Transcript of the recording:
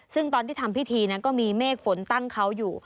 ซึ่งตอนที่ทำพิธีก็มีเมฆฝนตั้งเขาอยู่